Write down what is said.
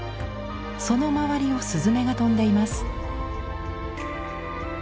その周りを雀が飛んでいます。